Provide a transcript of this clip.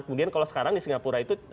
kemudian kalau sekarang di singapura itu